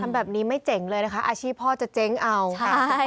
แบบนี้ไม่เจ๋งเลยนะคะอาชีพพ่อจะเจ๊งเอาค่ะ